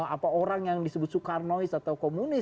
apa orang yang disebut soekarnois atau komunis